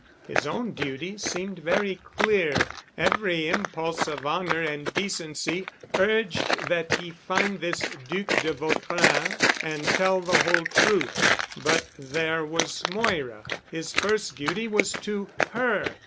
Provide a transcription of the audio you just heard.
His own duty seemed very clear. Every impulse of honor and decency urged that he find this Duc de Vautrin and tell the whole truth. But there was Moira ... his first duty was to her.